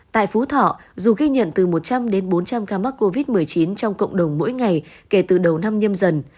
tại phú thọ dù ghi nhận từ một trăm linh đến bốn trăm linh ca mắc covid một mươi chín trong cộng đồng mỗi ngày kể từ đầu năm nhâm dần